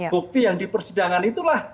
bukti yang di persidangan itulah